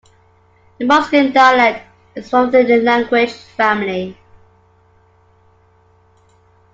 The Musqueam dialect, is from the language family.